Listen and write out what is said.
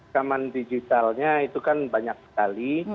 keamanan digitalnya itu kan banyak sekali